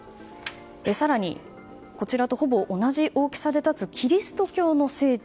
更に、こちらとほぼ同じ大きさで立つキリスト教の聖地